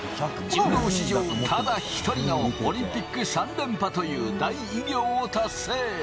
柔道史上ただ一人のオリンピック３連覇という大偉業を達成。